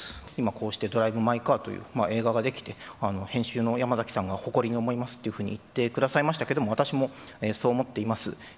今こうして、ドライブ・マイ・カーという映画が出来て、編集の山崎さんが誇りに思いますっていうふうに言ってくださいましたけど、私もそう思っています。